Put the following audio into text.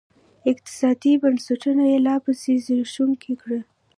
اقتصادي بنسټونه یې لاپسې زبېښونکي کړل.